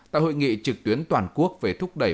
tại hội nghị trực tuyến toàn quốc về thúc đẩy